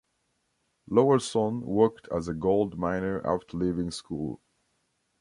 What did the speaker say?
Lowerson worked as a gold miner after leaving school.